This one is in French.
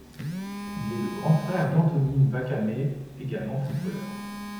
Il est le grand frère d'Anthony Nwakaeme également footballeur.